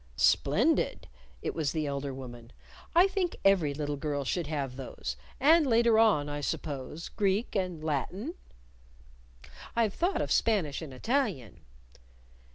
"Splendid!" It was the elder woman. "I think every little girl should have those. And later on, I suppose, Greek and Latin?" "I've thought of Spanish and Italian."